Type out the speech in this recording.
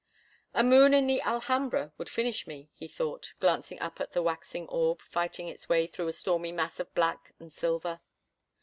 "A moon in the Alhambra would finish me," he thought, glancing up at the waxing orb fighting its way through a stormy mass of black and silver.